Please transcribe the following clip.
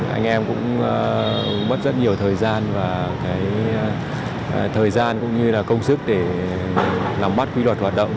anh em cũng mất rất nhiều thời gian và thời gian cũng như là công sức để làm bắt quy luật hoạt động